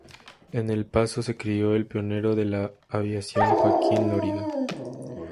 En el Pazo se crio el pionero de la aviación Joaquín Loriga.